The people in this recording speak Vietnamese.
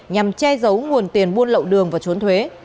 nhằm che giấu nguồn tiền buôn lậu đường và trốn thuế